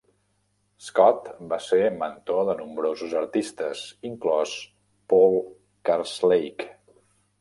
Scott va ser mentor de nombrosos artistes, inclòs Paul Karslake.